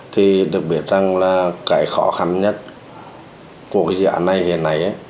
thì được biết rằng là cái khó khăn nhất của cái dự án này hiện nay